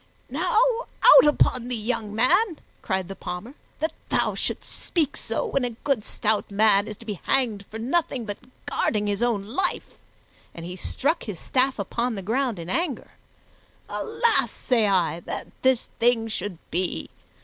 "Now, out upon thee, young man," cried the Palmer, "that thou shouldst speak so when a good stout man is to be hanged for nothing but guarding his own life!" And he struck his staff upon the ground in anger. "Alas, say I, that this thing should be!